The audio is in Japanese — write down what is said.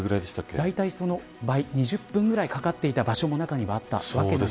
大体その倍、２０分ぐらいかかっていた場所も中にはあったわけです。